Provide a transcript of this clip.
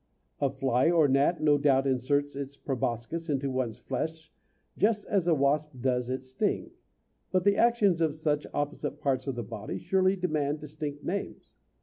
A fly or gnat no doubt inserts its proboscis into one's flesh just as a wasp does its sting; but the actions of such opposite parts of the body surely demand distinct names.